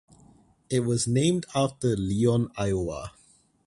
It was named after Leon, Iowa.